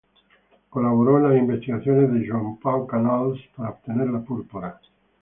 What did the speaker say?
Colaboró en las investigaciones de Joan Pau Canals para obtener la púrpura.